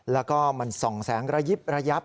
แล้วก็มันส่องแสงระยิบระยับ